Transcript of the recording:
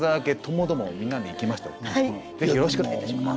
是非よろしくお願いいたします。